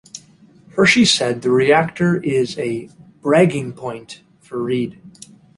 Hershey said the reactor is a "bragging point" for Reed.